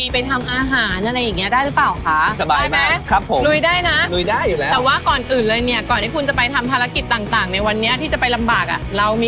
ไปทำอาหารอะไรอย่างนี้ได้หรือเปล่าคะ